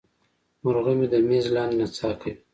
مرغه مې د میز لاندې نڅا کوي.